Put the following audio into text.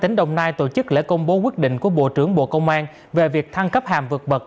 tỉnh đồng nai tổ chức lễ công bố quyết định của bộ trưởng bộ công an về việc thăng cấp hàm vượt bậc